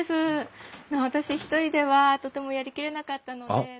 私一人ではとてもやりきれなかったので。